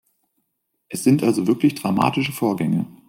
Es sind also wirklich dramatische Vorgänge.